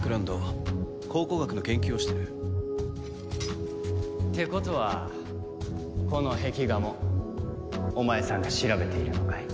考古学の研究をしてる。ってことはこの壁画もお前さんが調べているのかい？